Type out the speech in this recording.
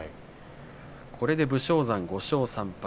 これで武将山５勝３敗。